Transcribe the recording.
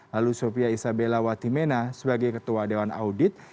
lalu sofia isabella watimena sebagai ketua dewan audit